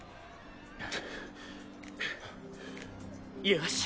よし！